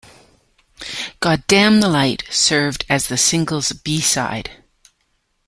"Goddamn the Light" served as the single's b-side.